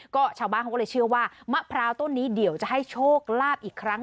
ก็ชาวบ้านเขาก็เลยเชื่อว่ามะพร้าวต้นนี้เดี๋ยวจะให้โชคลาภอีกครั้ง